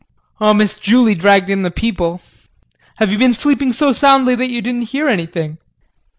Oh, Miss Julie dragged in the people. Have you been sleeping so soundly that you didn't hear anything?